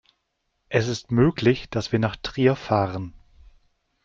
Es ist möglich, dass wir nach Trier fahren